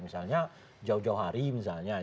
misalnya jauh jauh hari misalnya